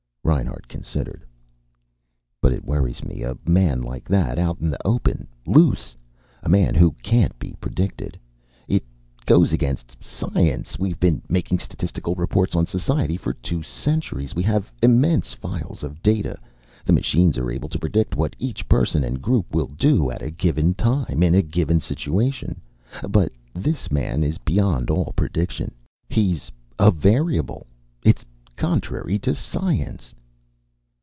Reinhart considered. "But it worries me, a man like that out in the open. Loose. A man who can't be predicted. It goes against science. We've been making statistical reports on society for two centuries. We have immense files of data. The machines are able to predict what each person and group will do at a given time, in a given situation. But this man is beyond all prediction. He's a variable. It's contrary to science."